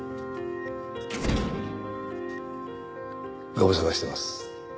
ご無沙汰してます。